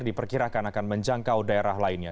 diperkirakan akan menjangkau daerah lainnya